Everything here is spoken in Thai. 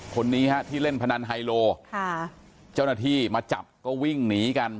คนนี้ฮะที่เล่นพนันไฮโลค่ะเจ้าหน้าที่มาจับก็วิ่งหนีกัน